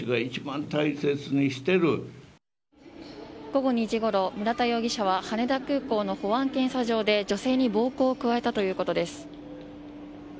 午後２時ごろ、村田容疑者は羽田空港の保安検査場で女性に暴行を加えたということです。